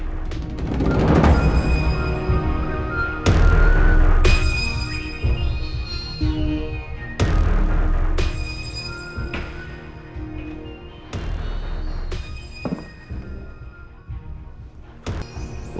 tidak ada apa apa